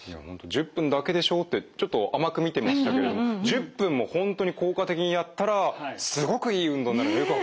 １０分だけでしょってちょっと甘く見てましたけれど１０分も本当に効果的にやったらすごくいい運動になるのよく分かりました！